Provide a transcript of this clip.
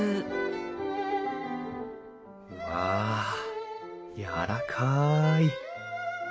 うわやわらかい！